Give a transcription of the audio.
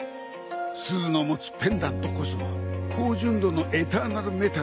すずの持つペンダントこそ高純度のエターナルメタルの結晶。